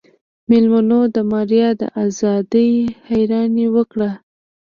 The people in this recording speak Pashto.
مېلمنو د ماريا د ازادۍ حيراني وکړه.